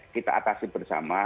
kita atasi bersama